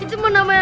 itu mah namanya